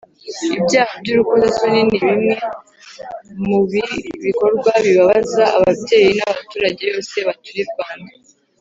Ibyaha by urukozasoni nibi mwe mubi bikorwa bibabaza ababyeyi na baturage yose batuye I Rwanda